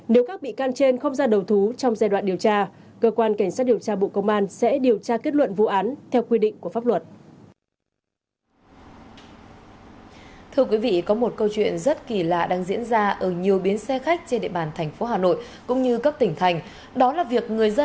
nếu các bị can trên không ra đầu thú trong giai đoạn điều tra cơ quan cảnh sát điều tra bộ công an sẽ điều tra